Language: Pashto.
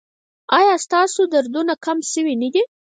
ایا ستاسو دردونه کم شوي دي؟